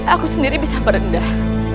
aku sendiri bisa merendah